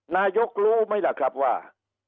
นายกรู้ไหมล่ะครับว่า